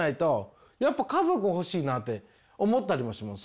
やっぱ家族欲しいなって思ったりもします。